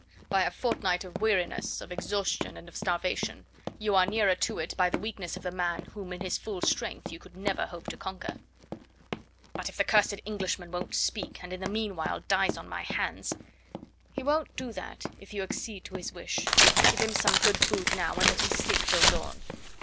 By a fortnight of weariness, of exhaustion and of starvation, you are nearer to it by the weakness of the man whom in his full strength you could never hope to conquer." "But if the cursed Englishman won't speak, and in the meanwhile dies on my hands " "He won't do that if you will accede to his wish. Give him some good food now, and let him sleep till dawn."